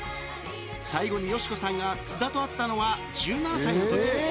最後に佳子さんが津田と会ったのは、１７歳のとき。